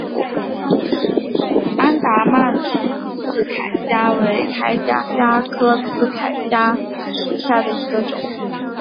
安达曼刺铠虾为铠甲虾科刺铠虾属下的一个种。